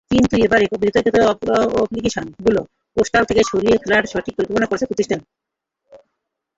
কিন্তু এবার বিতর্কিত অ্যাপ্লিকেশনগুলো প্লে স্টোর থেকে সরিয়ে ফেলার পরিকল্পনা করেছে প্রতিষ্ঠানটি।